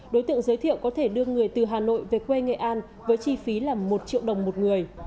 đối tượng giới thiệu có thể đưa người từ hà nội về quê nghệ an với chi phí là một triệu đồng một người